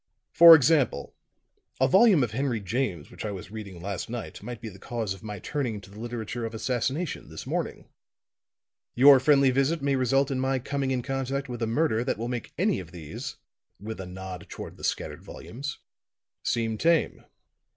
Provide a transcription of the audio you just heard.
For example, a volume of Henry James which I was reading last night might be the cause of my turning to the literature of assassination this morning; your friendly visit may result in my coming in contact with a murder that will make any of these," with a nod toward the scattered volumes, "seem tame."